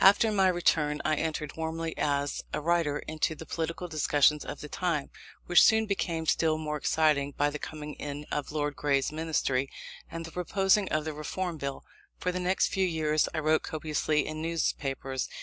After my return I entered warmly, as a writer, into the political discussions of the time; which soon became still more exciting, by the coming in of Lord Grey's Ministry, and the proposing of the Reform Bill. For the next few years I wrote copiously in newspapers.